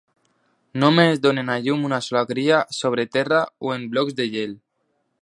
Només donen a llum una sola cria, sobre terra o en blocs de gel.